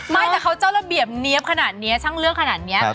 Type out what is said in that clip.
ไม่แต่เขาเจ้าระเบียบเนี๊ยบขนาดนี้ช่างเลือกขนาดนี้